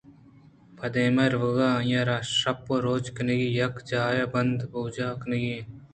پہ دیمے روگ ءَ آئی ءَ را شپ ءِ روچ کنگ ءَ یک جاہے ءِ بند ءُبوج کنگی اَت